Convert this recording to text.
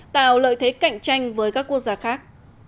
tạo lợi thế cạnh tranh với các quốc gia khác